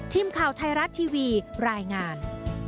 ทีมข่าวไทยรัฐทีวีรายงาน